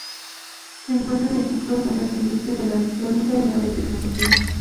Se encuentran ejemplos en las industrias de la electrónica y la biotecnología.